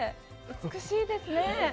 美しいですね。